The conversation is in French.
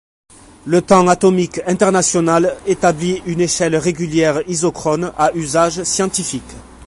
Le Temps atomique international établit une échelle régulière isochrone à usage scientifique.